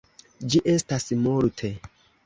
Ĝi estas multe.